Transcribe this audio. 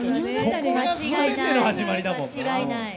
間違いない。